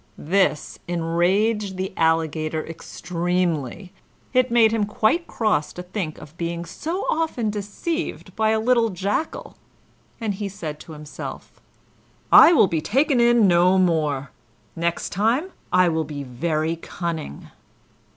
This enraged the Alligator extremely; it made him quite cross to think of being so often deceived by a little Jackal, and he said to himself, "I will be taken in no more. Next time I will be very cunning."